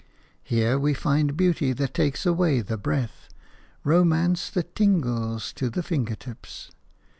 Here we find beauty that takes away the breath, romance that tingles to the finger tips.